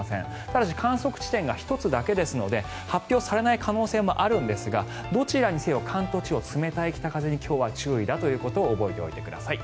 ただし観測地点が１つだけですので発表されない可能性もあるんですがどちらにせよ関東地方冷たい北風に注意だということを覚えておいてください。